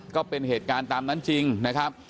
ก็เป็นเหตุการณ์ตามนั้นจริงนะครับ